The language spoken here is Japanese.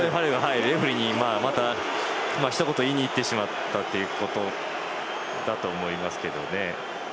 レフリーに、またひと言言いに行ってしまったということだと思います。